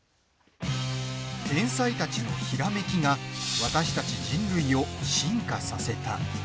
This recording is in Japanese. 天才たちのひらめきが私たち人類を進化させた。